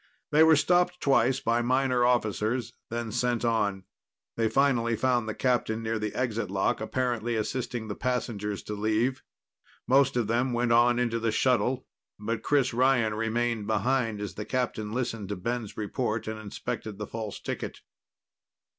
They were stopped twice by minor officers, then sent on. They finally found the captain near the exit lock, apparently assisting the passengers to leave. Most of them went on into the shuttle, but Chris Ryan remained behind as the captain listened to Ben's report and inspected the false ticket.